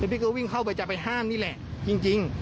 พี่ก็วิ่งเข้าไปจะไปห้ามนี่แหละจริง